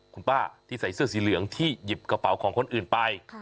คุณป้าที่ใส่เสื้อสีเหลืองที่หยิบกระเป๋าของคนอื่นไป